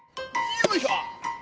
よいしょ。